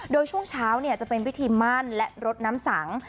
โดยช่วงเช้าจะเป็นพิธีมั่นและรดน้ำสัง